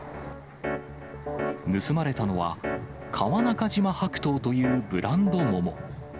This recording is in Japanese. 盗まれたのは、川中島白桃というブランド桃。